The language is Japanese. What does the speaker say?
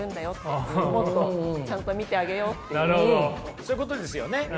そういうことですよね。